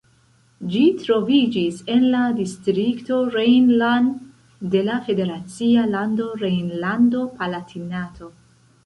Ĝi troviĝis en la distrikto Rhein-Lahn de la federacia lando Rejnlando-Palatinato.